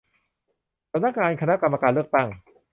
สำนักงานคณะกรรมการเลือกตั้ง